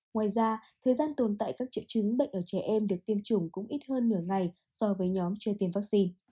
ngoài ra thời gian tồn tại các triệu chứng bệnh ở trẻ em được tiêm chủng cũng ít hơn nửa ngày so với nhóm chưa tiêm vaccine